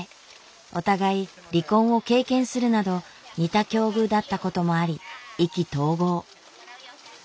お互い離婚を経験するなど似た境遇だったこともあり意気投合。